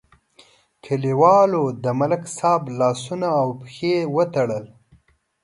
کلیوالو د ملک صاحب لاسونه او پښې وتړل.